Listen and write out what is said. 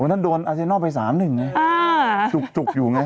วันนั้นโดนอาเซนอลไปสามหนึ่งจุกอยู่ไง